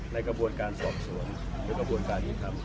ในกระบวนการสอบสวนหรือกระบวนการยุทธรรม